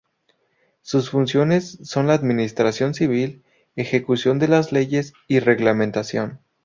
Sus funciones son la administración civil, ejecución de las leyes y reglamentación.